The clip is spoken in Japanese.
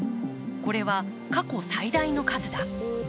これは過去最大の数だ。